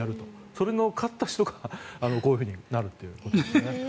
それの勝った人がこういうふうになるということです。